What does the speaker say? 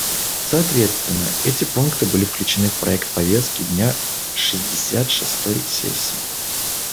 Соответственно, эти пункты были включены в проект повестки дня шестьдесят шестой сессии.